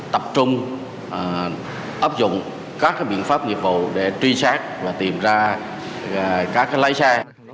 tập trung ấp dụng các biện pháp nghiệp vụ để truy sát và tìm ra các lái xe